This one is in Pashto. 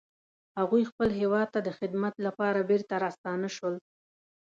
هغوی خپل هیواد ته د خدمت لپاره بیرته راستانه شول